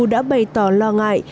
đã bày tỏ lo ngại